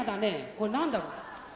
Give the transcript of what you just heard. これ、なんだろう。